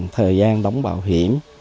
thời gian đóng bảo hiểm